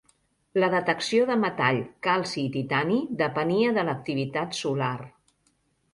La detecció de metall, calci i titani depenia de l'activitat solar.